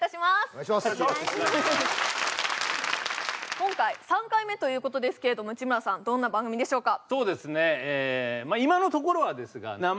今回、３回目ということですけども、内村さん、どんな番組でしょうか？